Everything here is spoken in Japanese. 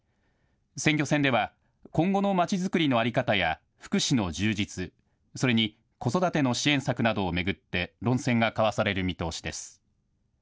選挙戦では今後のまちづくりの在り方や福祉の充実、それに子育ての支援策などを巡って論戦が交わされる見通しです。